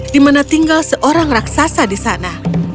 di mana tinggal seorang raksasa di sana